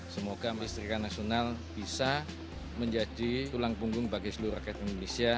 semoga listrikan nasional bisa menjadi tulang punggung bagi seluruh rakyat indonesia